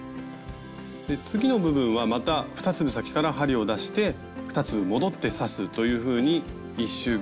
次の部分はまた２粒先から針を出して２粒戻って刺すというふうに１周ぐるっと刺していきます。